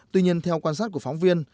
tuy nhiên theo quan sát của phóng viên